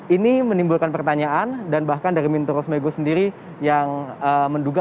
ini menimbulkan pertanyaan dan bahkan dari minto rosmego sendiri yang menduga